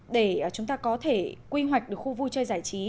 để chúng ta có thể quy hoạch được khu vui chơi giải trí